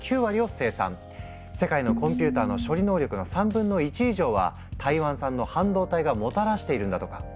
世界のコンピューターの処理能力の３分の１以上は台湾産の半導体がもたらしているんだとか。